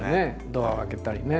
ドアを開けたりね。